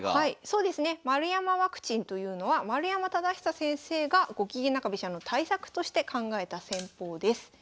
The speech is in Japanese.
そうですね丸山ワクチンというのは丸山忠久先生がゴキゲン中飛車の対策として考えた戦法です。